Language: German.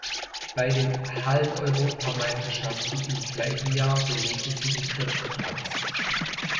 Bei den Halleneuropameisterschaften im gleichen Jahr belegte sie den vierten Platz.